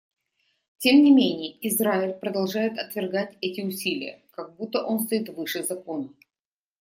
Тем не менее Израиль продолжает отвергать эти усилия, как будто он стоит выше закона.